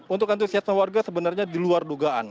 untuk antusiasme warga sebenarnya diluar dugaan